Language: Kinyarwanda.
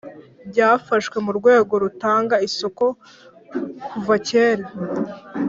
byafashwe n urwego rutanga isoko kuva kera